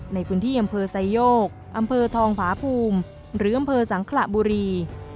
ในพื้นที่อำเภอไซโยกอำเภอทองผาภูมิหรืออำเภอสังขระบุรี